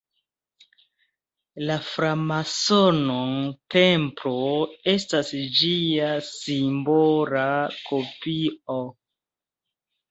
La framasona templo estas ĝia simbola kopio.